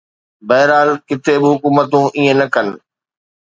بهرحال، ڪٿي به حڪومتون ائين نه ڪن